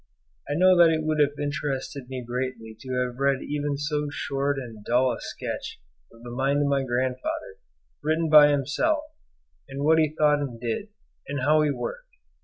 I know that it would have interested me greatly to have read even so short and dull a sketch of the mind of my grandfather, written by himself, and what he thought and did, and how he worked.